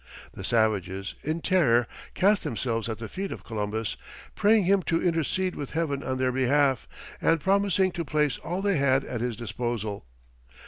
The savages in terror cast themselves at the feet of Columbus, praying him to intercede with Heaven on their behalf, and promising to place all they had at his disposal.